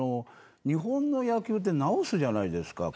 日本の野球は直すじゃないですか。